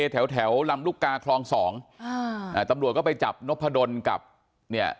แถวแถวลำลูกกาคลองสองอ่าตำรวจก็ไปจับนพดลกับเนี่ย